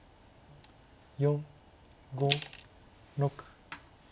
４５６。